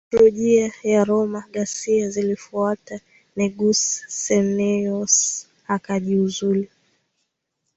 Liturujia ya Roma Ghasia zilifuata Negus Susneyos akajiuzulu